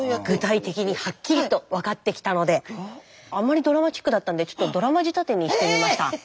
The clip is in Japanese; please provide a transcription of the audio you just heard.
具体的にはっきりと分かってきたのであんまりドラマチックだったんでちょっとドラマ仕立てにしてみました。